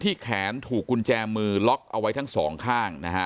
แขนถูกกุญแจมือล็อกเอาไว้ทั้งสองข้างนะฮะ